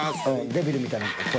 デビルみたいな声。